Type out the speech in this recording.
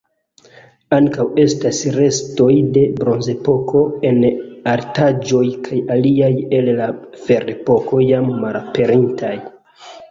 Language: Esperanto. Ankaŭ estas restoj de Bronzepoko en altaĵoj kaj aliaj el la Ferepoko jam malaperintaj.